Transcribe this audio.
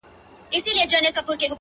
بیا مُلا سو بیا هغه د سیند څپې سوې!!